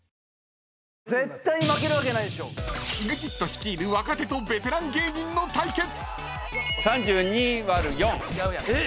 ［ＥＸＩＴ率いる若手とベテラン芸人の対決］